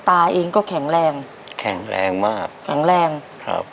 ตาเองก็แข็งแรงแข็งแรงมากแข็งแรงครับ